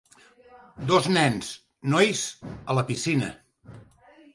Dos nens, nois, a la piscina.